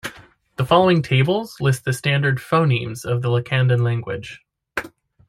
The following tables list the standard phonemes of the Lacandon language.